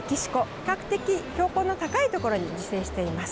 比較的標高の高いところに自生しています。